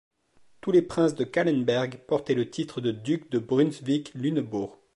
Tous les princes de Calenberg portaient le titre de duc de Brunswick-Lunebourg.